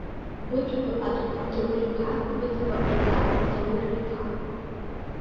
Быҭәба Адгәыр Даур-иԥа, Быҭәба Инал Даур-иԥа.